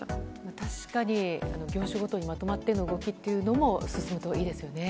確かに業種ごとにまとまっての動きも出てくるといいですね。